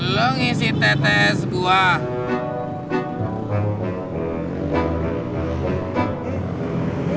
lo ngisi tetes buah